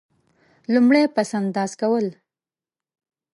لومړی: پس انداز کول.